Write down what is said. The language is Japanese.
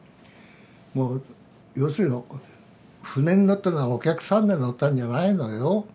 もう要するに船に乗ったのはお客さんで乗ったんじゃないのよ。